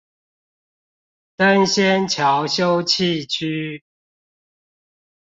登仙橋休憩區